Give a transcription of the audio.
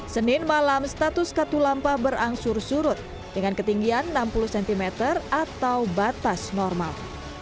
senin malam status katulampa berangsur surut dengan ketinggian enam puluh cm atau batas normal